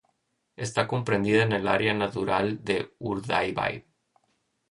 Está comprendida en el área natural de Urdaibai.